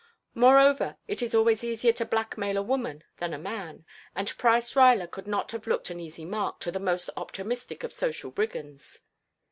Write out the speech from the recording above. Moreover it is always easier to blackmail a woman than a man, and Price Ruyler could not have looked an easy mark to the most optimistic of social brigands.